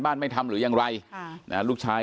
เป็นมีดปลายแหลมยาวประมาณ๑ฟุตนะฮะที่ใช้ก่อเหตุ